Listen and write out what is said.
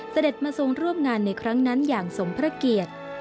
เสด็จมาทรงร่วมงานในครั้งนั้นอย่างสมพระเกียรติ